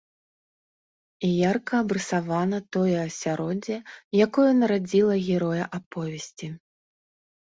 Ярка абрысавана тое асяроддзе, якое нарадзіла героя аповесці.